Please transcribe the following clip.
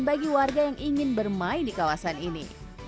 bagi warga yang ingin bermain di kawasan ini